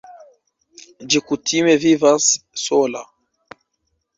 Ĝi kutime vivas sola.